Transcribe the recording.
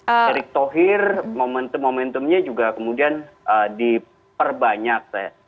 erick thohir momentum momentumnya juga kemudian diperbanyak